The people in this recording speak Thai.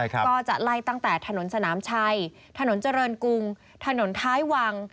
ก็จะไล่ตั้งแต่ถนนสนามชัยถนนเจริญกรุงถนนท้ายวัง